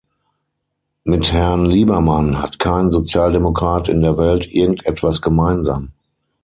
Mit Herrn Liebermann hat kein Sozialdemokrat in der Welt irgendetwas gemeinsam.